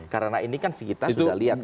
karena ini kan kita sudah lihat kan